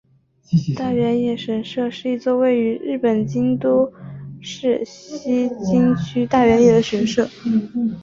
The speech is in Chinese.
大原野神社是一座位于日本京都市西京区大原野的神社。